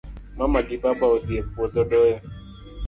Mama gi baba odhii e puodho doyo